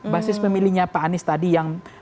basis pemilihnya pak anies tadi yang